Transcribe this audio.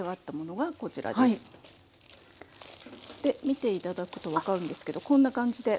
見て頂くと分かるんですけどこんな感じで。